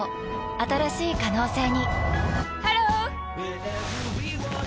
新しい可能性にハロー！